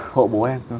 hộ bố em